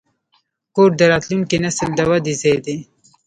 کور د راتلونکي نسل د ودې ځای دی.